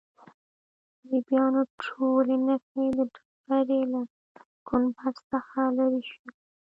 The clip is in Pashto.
د صلیبیانو ټولې نښې د ډبرې له ګنبد څخه لیرې شوې.